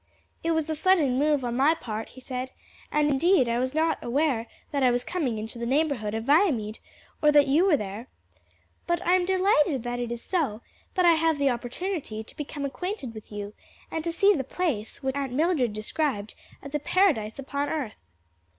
"It was a sudden move on my part," he said, "and indeed I was not aware that I was coming into the neighborhood of Viamede, or that you were there. But I am delighted that it is so that I have the opportunity to become acquainted with you and to see the place, which Aunt Mildred described as a paradise upon earth."